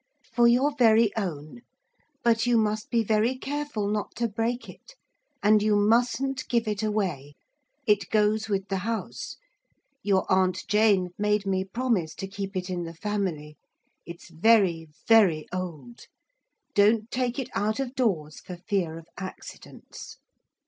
'For your very own. But you must be very careful not to break it. And you mustn't give it away. It goes with the house. Your Aunt Jane made me promise to keep it in the family. It's very, very old. Don't take it out of doors for fear of accidents.'